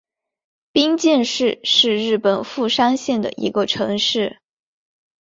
冰见市是日本富山县的一个城市。